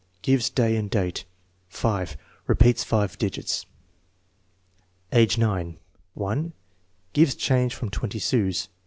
(lives day and date. 5. Repeats five digits. Age 9: 1, (Hves change from twenty sous.